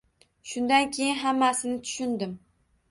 Shundan keyin hammasini tushundim